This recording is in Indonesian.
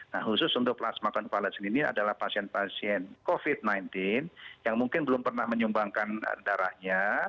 nah khusus untuk plasma konvalesen ini adalah pasien pasien covid sembilan belas yang mungkin belum pernah menyumbangkan darahnya